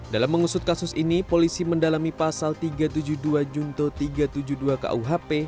dalam mengusut kasus ini polisi mendalami pasal tiga ratus tujuh puluh dua junto tiga ratus tujuh puluh dua kuhp